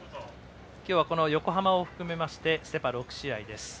今日は、横浜を含めましてセ・パ６試合です。